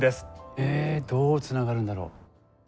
えどうつながるんだろう。